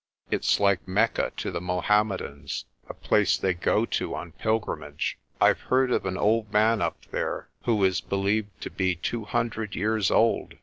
It's like Mecca to the Mohammedans, a place they go to on pil grimage. Pve heard of an old man up there who is be lieved to be two hundred years old.